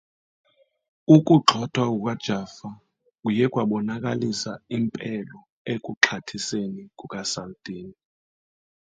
The repulse from Jaffa marked the end of Saladin's counter-offensive.